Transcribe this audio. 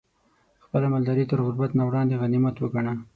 خپله مالداري تر غربت نه وړاندې غنيمت وګڼه